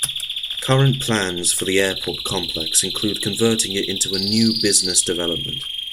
Current plans for the airport complex include converting it into a new business development.